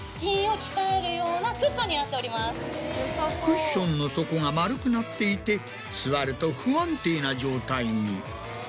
クッションの底が丸くなっていて座ると不安定な状態に。